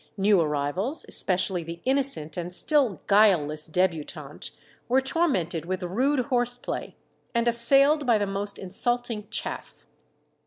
New arrivals, especially the innocent and still guileless debutant, were tormented with rude horse play, and assailed by the most insulting "chaff."